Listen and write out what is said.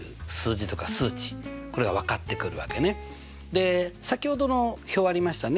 で先ほどの表ありましたね